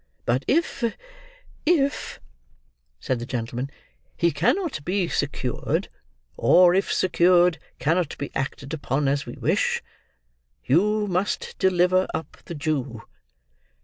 But if—if—" said the gentleman, "he cannot be secured, or, if secured, cannot be acted upon as we wish, you must deliver up the Jew."